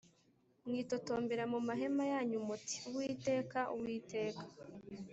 Mwitotombera mu mahema yanyu muti Uwiteka uwiteka